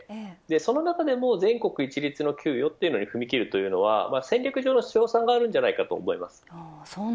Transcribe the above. その中でも全国一律の給与に踏み切るのは戦略上の勝算があると思います。